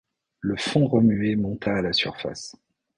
Le fond remué monta à la surface.